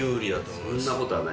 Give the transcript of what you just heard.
そんなことはない。